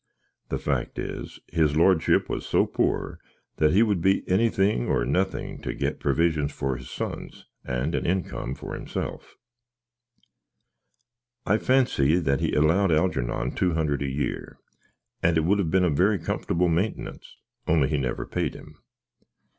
The fack is, his lordship was so poar, that he would be anythink, or nothink, to get previsions for his sons, and an inkum for him self. I phansy that he aloud Halgernon two hunderd a year; and it would have been a very comforable maintenants, only he knever paid him.